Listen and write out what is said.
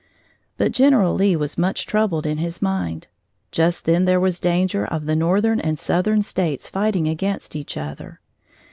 But general Lee was much troubled in his mind. Just then there was danger of the northern and southern States fighting against each other.